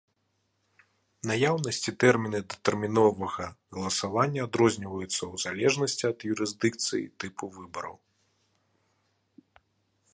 Наяўнасць і тэрміны датэрміновага галасавання адрозніваюцца ў залежнасці ад юрысдыкцыі і тыпу выбараў.